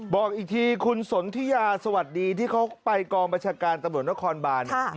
บอกอีกทีคุณสนทิยาสวัสดีที่เขาไปกองประชาการตำรวจนครบาน